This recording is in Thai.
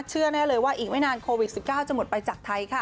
เชื่อแน่เลยว่าอีกไม่นานโควิด๑๙จะหมดไปจากไทยค่ะ